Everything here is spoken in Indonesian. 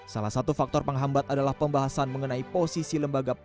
salah satu faktor penghambat adalah pembahasan mengenai posisi